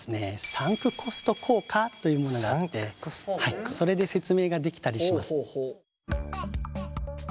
サンクコスト効果というものがあってそれで説明ができたりします。